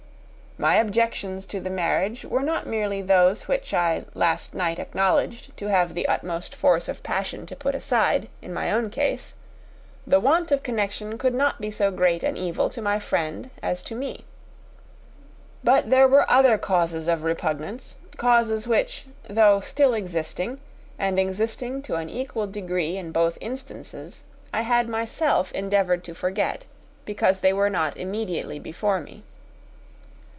My objections to the marriage were not merely those which I last night acknowledged to have required the utmost force of passion to put aside in my own case; the want of connection could not be so great an evil to my friend as to me. But there were other causes of repugnance; causes which, though still existing, and existing to an equal degree in both instances, I had myself endeavoured to forget, because they were not immediately before me.